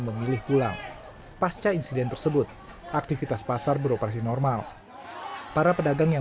memilih pulang pasca insiden tersebut aktivitas pasar beroperasi normal para pedagang yang